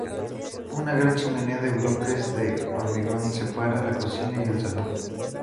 Una gran chimenea de bloques de hormigón separa la cocina y el salón.